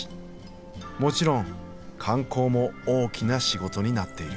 もちろん観光も大きな仕事になっている。